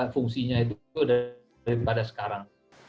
fungsinya itu daripada sekarang